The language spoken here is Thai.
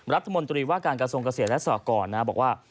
รัฐมนตรีว่าการกระทรวงเกษตรและสหกรบอกว่า